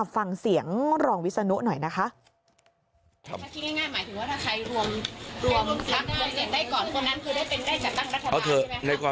ฟังเสียงรองวิศนุหน่อยนะคะ